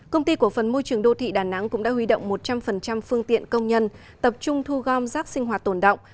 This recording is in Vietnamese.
công ty cổ phần môi trường đô thị đà nẵng cũng đã huy động một trăm linh phương tiện công nhân tập trung thu gom rác sinh hoạt tổn động